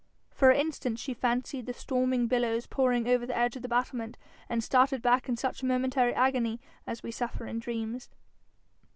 For an instant she fancied the storming billows pouring over the edge of the battlement, and started back in such momentary agony as we suffer in dreams.